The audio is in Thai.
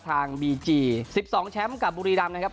ทางบีจีสิบสองแชมป์กับบุรีรำนะครับ